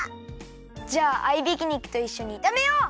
じゃあ合いびき肉といっしょにいためよう！